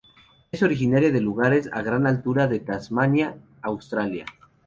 Es originaria de lugares a gran altura de Tasmania, Australia.